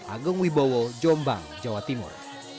agung wibowo jombang jawa timur